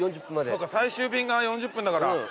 そうか最終便が４０分だから。